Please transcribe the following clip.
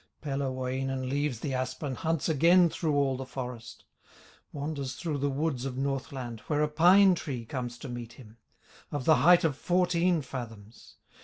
Pellerwoinen leaves the aspen, Hunts again through all the forest, Wanders through the woods of Northland, Where a pine tree comes to meet him, Of the height of fourteen fathoms.